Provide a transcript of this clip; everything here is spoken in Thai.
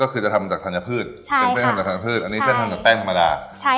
ก็คือจะทำจากธัญพืชใช่ค่ะเป็นเส้นทำจากธัญพืชใช่ค่ะอันนี้เส้นทำจากแป้งธรรมดาใช่ค่ะ